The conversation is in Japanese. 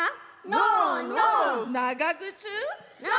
ノーノー。